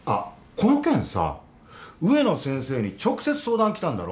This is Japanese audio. この件さ植野先生に直接相談きたんだろ？